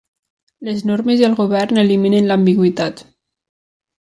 Les normes i el govern eliminen l'ambigüitat.